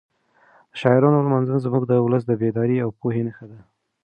د شاعرانو لمانځنه زموږ د ولس د بیدارۍ او پوهې نښه ده.